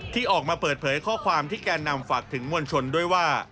ที่ออกมาเปิดเผยข้อความที่แกนนำฝากถึงมวลชนด้วยว่า